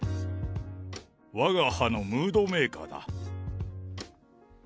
わが派のムードメーカーだ。